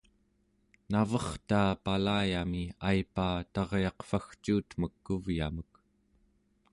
navertaa palayami aipaa taryaqvagcuutmek kuvyamek